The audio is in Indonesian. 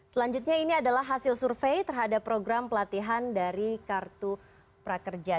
selanjutnya ini adalah hasil survei terhadap program pelatihan dari kartu prakerja